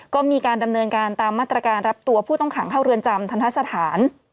ก็มีการดำเนินการตามมาตรการรับตัวผู้ต้องขังเข้าเรือนจำทันทะสถาน